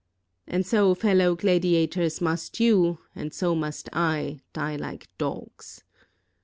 And so, fellow gladiators, must you, and so must I, die like dogs.